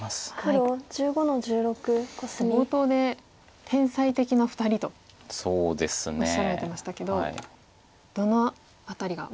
冒頭で天才的な２人とおっしゃられてましたけどどの辺りが。